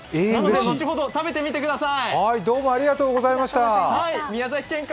後ほど食べてみてください！